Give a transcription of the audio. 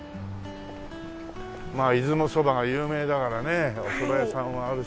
まあ出雲そばが有名だからねおそば屋さんはあるし。